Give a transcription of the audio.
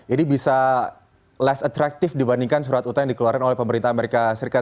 ini bisa less attractive dibandingkan surat utang yang dikeluarkan oleh pemerintah amerika serikat